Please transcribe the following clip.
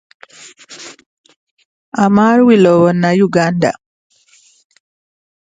Actress Shivangi Joshi was cast to play adult Anandi.